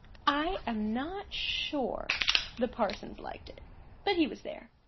I am not sure the parsons liked it; but he was there.